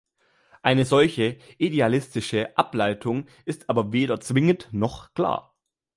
Eine solche „idealistische“ Ableitung ist aber weder zwingend noch klar.